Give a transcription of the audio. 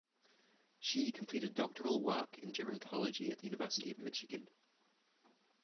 She completed doctoral work in gerontology at the University of Michigan.